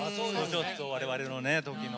我々の時の。